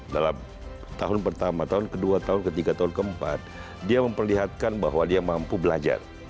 dalam tahun pertama tahun kedua tahun ketiga tahun keempat dia memperlihatkan bahwa dia mampu belajar